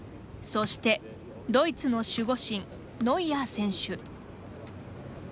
そしてドイツの守護神ノイアー選手。